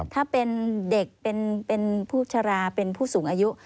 ถ้าเป็นเด็กเป็นผู้ชราเป็นผู้สูงอายุ